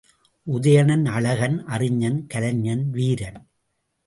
உதயணன் அழகன், அறிஞன், கலைஞன், வீரன்!